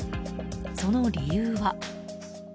その理由は。